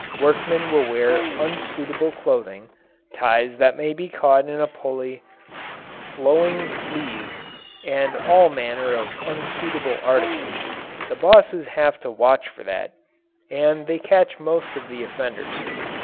Workmen will wear unsuitable clothing ties that may be caught in a pulley, flowing sleeves, and all manner of unsuitable articles. The bosses have to watch for that, and they catch most of the offenders.